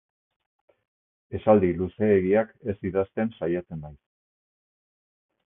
Esaldi luzeegiak ez idazten saiatzen naiz.